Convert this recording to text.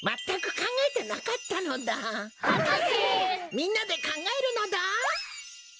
みんなでかんがえるのだ。